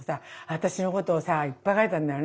私のことをさいっぱい書いてあんだよね